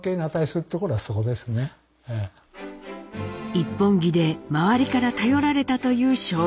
一本気で周りから頼られたという正一。